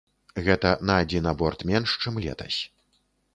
Гэта на адзін аборт менш, чым летась.